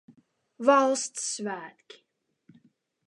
Valsts svētki